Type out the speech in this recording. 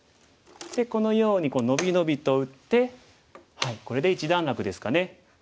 でこのように伸び伸びと打ってこれで一段落ですかね。